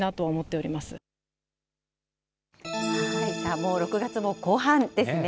もう６月も後半ですね。